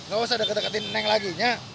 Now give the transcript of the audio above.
gak usah deket deketin neng lagi